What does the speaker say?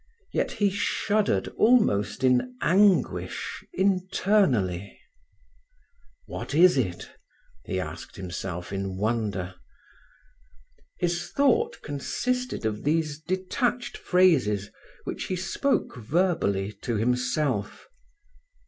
Yet he shuddered almost in anguish internally. "What is it?" he asked himself in wonder. His thought consisted of these detached phrases, which he spoke verbally to himself.